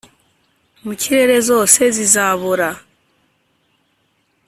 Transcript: Mu kirere zose zizabora